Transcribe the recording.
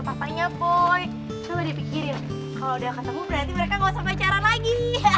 papanya boy kalau dia akan sama lagi